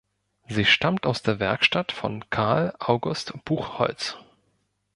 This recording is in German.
Sie stammt aus der Werkstatt von Carl August Buchholz.